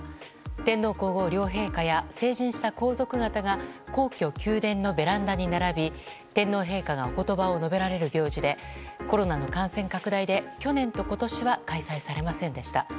天皇・皇后両陛下や成人した皇族方が皇居・宮殿のベランダに並び天皇陛下がお言葉を述べられる行事でコロナの感染拡大で去年と今年は開催されませんでした。